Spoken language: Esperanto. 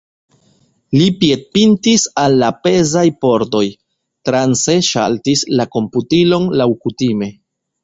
Li piedpintis al la pezaj pordoj, transe ŝaltis la komputilon laŭkutime.